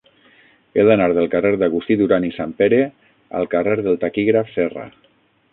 He d'anar del carrer d'Agustí Duran i Sanpere al carrer del Taquígraf Serra.